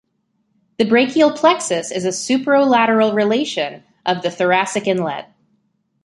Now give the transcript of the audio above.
The brachial plexus is a superolateral relation of the thoracic inlet.